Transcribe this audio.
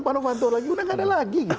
stina novanto lagi sudah tidak ada lagi